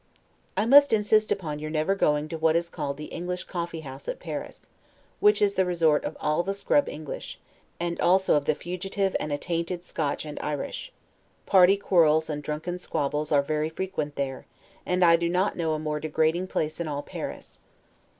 I must insist upon your never going to what is called the English coffee house at Paris, which is the resort of all the scrub English, and also of the fugitive and attainted Scotch and Irish; party quarrels and drunken squabbles are very frequent there; and I do not know a more degrading place in all Paris.